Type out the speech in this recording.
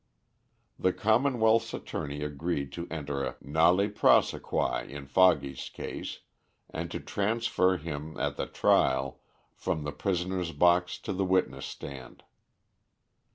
The commonwealth's attorney agreed to enter a nolle prosequi in Foggy's case, and to transfer him, at the trial, from the prisoner's box to the witness stand.